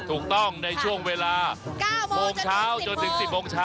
ถูกต้องในช่วงเวลา๙โมงจนถึง๑๐โมง